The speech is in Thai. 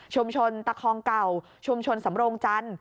ตะคองเก่าชุมชนสำโรงจันทร์